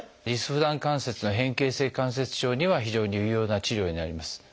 リスフラン関節の変形性関節症には非常に有用な治療になります。